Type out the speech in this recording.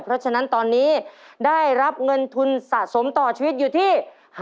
เพราะฉะนั้นตอนนี้ได้รับเงินทุนสะสมต่อชีวิตอยู่ที่